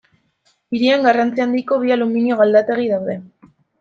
Hirian garrantzi handiko bi aluminio-galdategi daude.